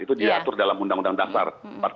itu diatur dalam undang undang dasar